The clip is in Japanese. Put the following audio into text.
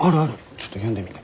ちょっと読んでみて。